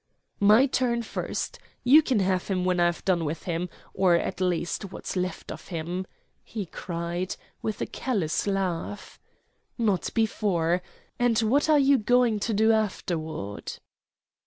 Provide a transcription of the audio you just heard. "My turn first. You can have him when I've done with him or at least what's left of him," he cried, with a callous laugh. "Not before. And what are you going to do afterward?"